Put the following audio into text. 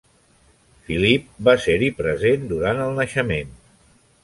Phillippe va ser-hi present durant el naixement.